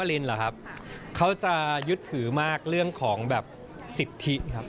ลินเหรอครับเขาจะยึดถือมากเรื่องของแบบสิทธิครับ